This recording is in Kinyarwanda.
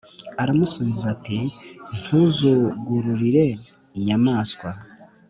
Aramusubiza ati ntuzugururire inyamaswa